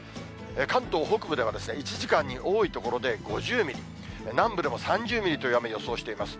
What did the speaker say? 関東北部では１時間に多い所で５０ミリ、南部でも３０ミリという雨を予想しています。